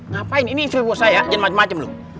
ngapain ini free bus saya jangan macem macem loh